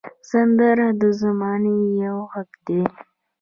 سندره د زمانې یو غږ دی